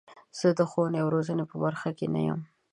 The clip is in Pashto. زه د ښوونې او روزنې په برخه کې نه یم.